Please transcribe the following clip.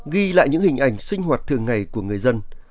ghi lại những hình ảnh sinh hoạt thường ngày của người dân